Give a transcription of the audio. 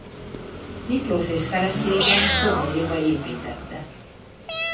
Miklós és felesége Czobor Éva építtette.